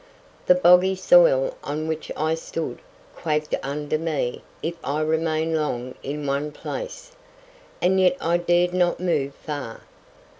The boggy soil on which I stood quaked under me if I remained long in one place, and yet I dared not move far.